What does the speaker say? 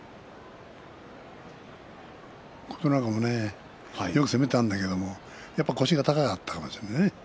琴ノ若もねよく攻めたんだけれどもやっぱり腰が高かったかもしれませんね